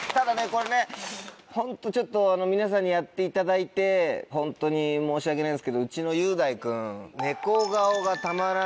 これねホントちょっと皆さんにやっていただいてホントに申し訳ないんですけどうちの雄大君。